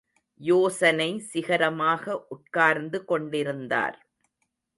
யோசனை சிகரமாக உட்கார்ந்து கொண்டிருந்தார்.